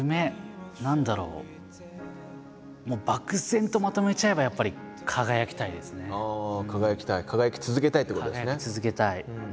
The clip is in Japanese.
漠然とまとめちゃえばやっぱりああ輝きたい輝き続けたいってことですね。